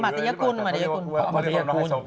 อัมติยากุล